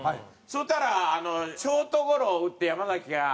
そしたらショートゴロを打って山崎が。